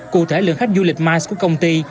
cụ thể lượng khách du lịch mice của công ty